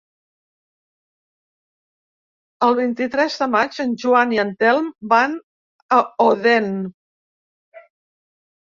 El vint-i-tres de maig en Joan i en Telm van a Odèn.